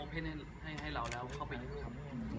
เปิดให้เราแล้วเข้าไปอยู่ครับ